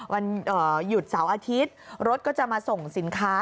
วันหยุดเสาร์อาทิตย์รถก็จะมาส่งสินค้า